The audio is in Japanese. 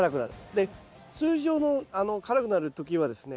で通常の辛くなる時はですね